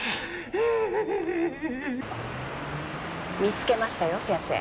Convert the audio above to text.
見つけましたよ先生。